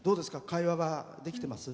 会話はできてます？